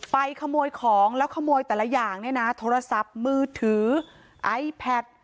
ขโมยของแล้วขโมยแต่ละอย่างเนี่ยนะโทรศัพท์มือถือไอแพท